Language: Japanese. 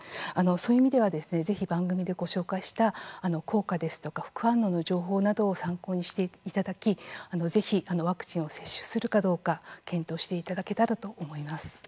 そういう意味ではぜひ、番組でご紹介した効果ですとか副反応の情報などを参考にしていただきぜひワクチンを接種するかどうか検討していただけたらと思います。